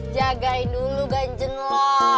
jagain dulu ganjen lo